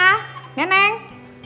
dapat membunuh anak sukunya